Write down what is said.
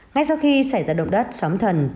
ngay sau khi xảy ra động đất sóng thần